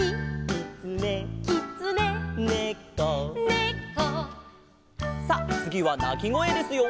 「ねこ」さあつぎはなきごえですよ！